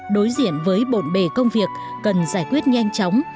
đối diện với bộn bề công việc cần giải quyết nhanh chóng